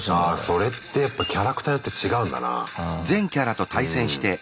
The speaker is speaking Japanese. それってやっぱキャラクターによって違うんだな。